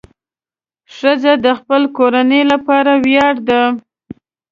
ښځه د خپل کورنۍ لپاره ویاړ ده.